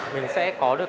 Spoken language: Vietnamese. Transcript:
mình sẽ có được